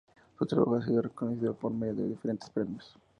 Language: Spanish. Su trabajo ha sido reconocido por medio de diferentes premios.